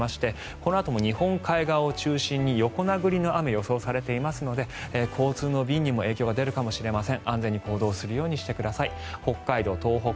このあとも日本海側を中心に横殴りの雨予想されていますので交通の便にも影響が出るかもしれません。